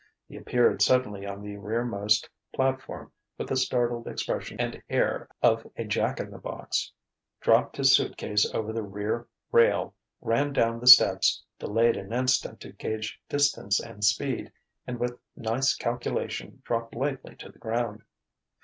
He appeared suddenly on the rearmost platform, with the startled expression and air of a Jack in the box; dropped his suit case over the rear rail; ran down the steps; delayed an instant to gauge distance and speed: and with nice calculation dropped lightly to the ground.